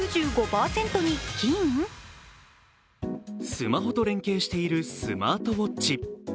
スマホと連携しているスマートウォッチ。